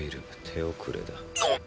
手遅れだ。っ！